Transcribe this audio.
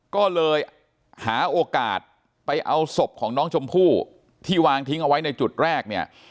ก็เลยหาโอกาสไปเอาศพของน้องชมพู่ที่วางทิ้งเอาไว้ในจุดแรกเนี่ย